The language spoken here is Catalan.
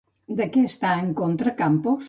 De què està en contra Campos?